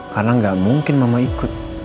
karena gak mungkin mama ikut